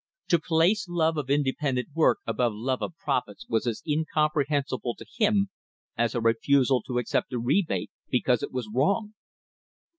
To place love of independent work above love of profits was as incomprehensible to him as a refusal to accept a rebate because it was wrong!